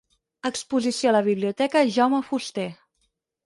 Exposició a la Biblioteca Jaume Fuster.